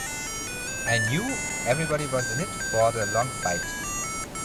I knew everybody was in it for the long fight.